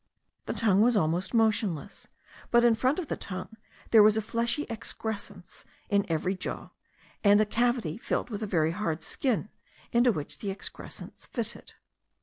The tongue was almost motionless; but in front of the tongue there was a fleshy excrescence in each jaw, and a cavity lined with a very hard skin, into which the excrescence fitted.